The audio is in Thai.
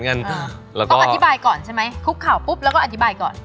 ต้องอธิบายก่อนใช่มั้ยแล้วอธิบายก่อน